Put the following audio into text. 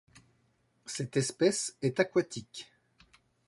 Cette espèce est aquatique.